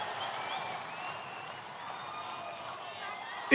untuk seluruh rakyat indonesia